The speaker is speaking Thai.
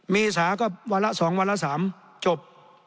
เมษาก็วัละสองวัละสามจบ